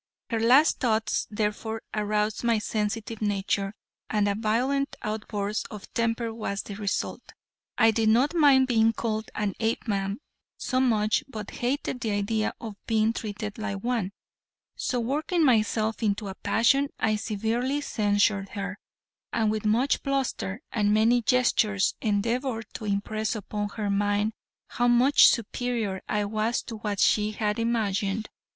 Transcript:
Her last thoughts, therefore, aroused my sensitive nature, and a violent outburst of temper was the result. I did not mind being called an Apeman so much, but hated the idea of being treated like one, so working myself into a passion I severely censured her, and with much bluster and many gestures endeavored to impress upon her mind how much superior I was to what she had imagined.